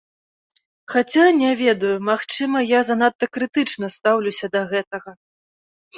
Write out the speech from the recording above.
Хаця, не ведаю, магчыма, я занадта крытычна стаўлюся да гэтага.